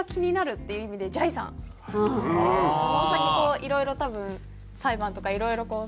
この先いろいろ多分裁判とかいろいろされて